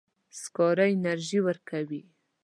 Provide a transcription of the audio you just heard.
سکاره انرژي ورکوي.